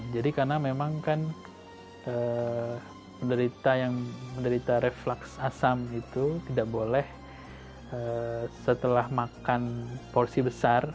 jadi karena memang kan penderita yang menderita reflux asam itu tidak boleh setelah makan porsi besar